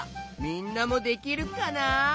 みんなもできるかな？